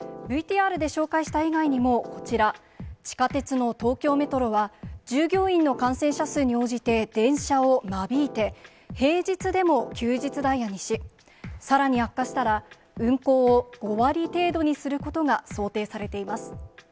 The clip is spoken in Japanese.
ＶＴＲで紹介した以外にも、こちら、地下鉄の東京メトロは、従業員の感染者数に応じて電車をまびいて、平日でも休日ダイヤにし、さらに悪化したら、運行を５割程度にすることが想定されています。